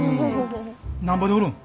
なんぼで売るん？